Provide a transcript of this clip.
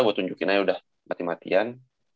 gue tunjukin aja udah mati matian